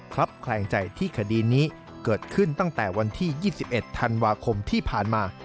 ครับแคลงใจที่คดีนี้เกิดขึ้นตั้งแต่วันที่๒๑ธันวาคมที่ผ่านมา